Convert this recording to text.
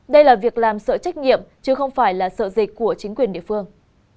đây là việc làm sợ trách nhiệm chứ không phải là sợ dịch của chính quyền địa phương